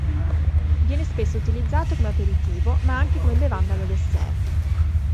Viene spesso utilizzato come aperitivo, ma anche come bevanda da dessert.